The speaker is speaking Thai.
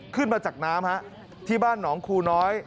ขึ้นมาจากน้ำที่บ้านหนองคูน้อย